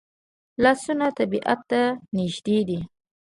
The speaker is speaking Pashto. لاسونه طبیعت ته نږدې دي